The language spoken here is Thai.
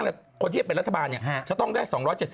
คนที่จะเป็นรัฐบาลจะต้องได้๒๗๐